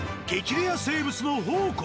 レア生物の宝庫。